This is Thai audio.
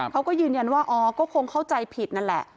เขาก็ยืนยันว่าอ๋อก็คงเข้าใจผิดนั่นแหละ